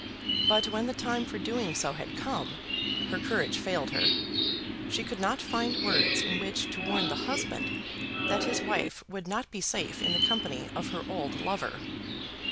But when the time for doing so had come, her courage failed her. She could not find words in which to warn the husband that his wife would not be safe in the company of her old lover.